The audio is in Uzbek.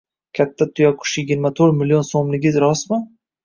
Katta tuyaqush yigirma to'rt million so‘mligi rostmi?